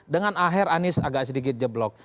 dengan aher anies agak sedikit jeblok